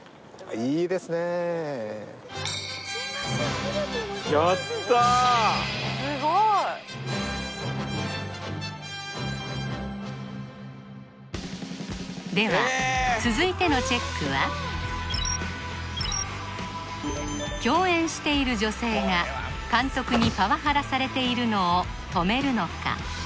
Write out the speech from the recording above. ありがとうございますでは続いてのチェックは共演している女性が監督にパワハラされているのを止めるのか？